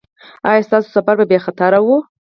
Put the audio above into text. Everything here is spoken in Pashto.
ایا ستاسو سفر بې خطره و؟